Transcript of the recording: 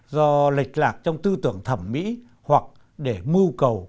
do lệch lạc trong tư tưởng thẩm mỹ hoặc để mưu cầu